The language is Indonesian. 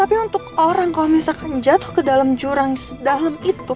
tapi untuk orang kalo misalnya jatuh ke dalam jurang sedalam itu